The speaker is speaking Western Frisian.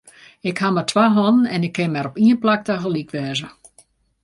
Ik haw mar twa hannen en ik kin mar op ien plak tagelyk wêze.